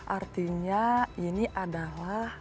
artinya ini adalah